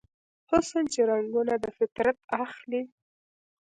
حسن چې رنګونه دفطرت اخلي